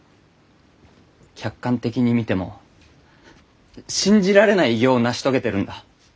客観的に見ても信じられない偉業を成し遂げてるんだ。